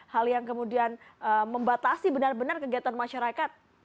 hal yang kemudian membatasi benar benar kegiatan masyarakat